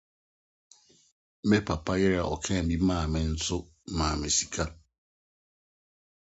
Me papa yere a ɔkaa bi maa me no nso maa me sika.